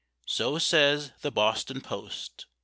So says the Boston Post.